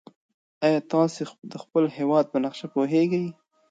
ایا تاسي د خپل هېواد په نقشه پوهېږئ؟